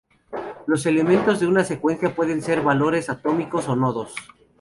Los elementos de una secuencia pueden ser valores atómicos o nodos.